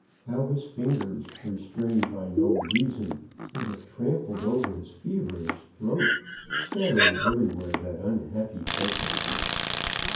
how his fingers, re strained by no reason, would have trampled over his feverish throat, scattering everywhere that unhappy poultice